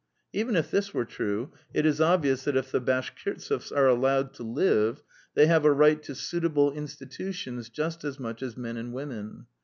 Even if this were true, it is obvious that if the Bashkirtseffs are allowed to live, they have a right to suitable institutions just as much as men and women.